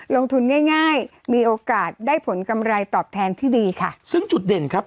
ลงทุนง่ายง่ายมีโอกาสได้ผลกำไรตอบแทนที่ดีค่ะซึ่งจุดเด่นครับ